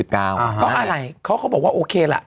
ก็อะไรเขาก็บอกว่าโอเคล่ะ